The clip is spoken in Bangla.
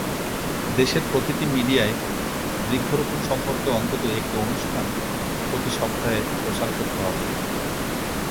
দেশের প্রতিটি মিডিয়ায় বৃক্ষরোপণ সম্পর্কে অন্তত একটি অনুষ্ঠান প্রতি সপ্তাহে প্রচার করতে হবে।